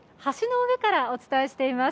上からお伝えしています。